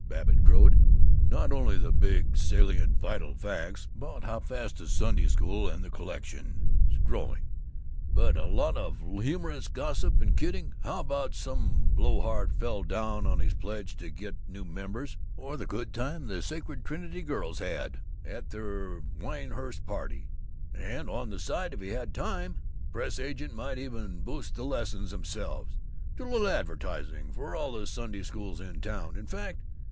Babbitt crowed. "Not only the big, salient, vital facts, about how fast the Sunday School and the collection is growing, but a lot of humorous gossip and kidding: about how some blowhard fell down on his pledge to get new members, or the good time the Sacred Trinity class of girls had at their wieniewurst party. And on the side, if he had time, the press agent might even boost the lessons themselves do a little advertising for all the Sunday Schools in town, in fact.